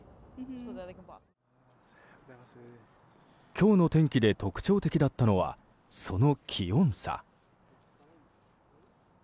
今日の天気で特徴的だったのはその気温差。